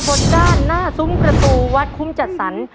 เพราะที่ด้านหน้าซุ้มกระตูวัดคุมจัดสรร